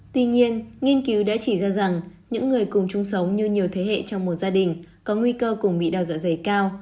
tuy nhiên nghiên cứu đã chỉ ra rằng những người cùng chung sống như nhiều thế hệ trong một gia đình có nguy cơ cùng bị đau dạ dày cao